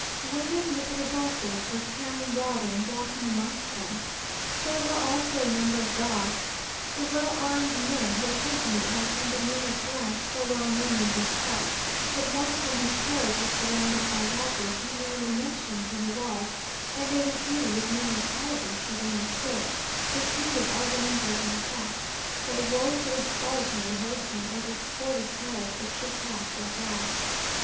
Women with rebosos, were carrying water, and walking amongst them. There were also a number of dogs. The well armed men who accompanied us, and the name of , so well known in these parts, that once when his carriage was surrounded by robbers, he merely mentioned who he was, and they retreated with many apologies for their mistake, precluded all danger of an attack; but woe to the solitary horseman or the escorted carriage that should pass thereby!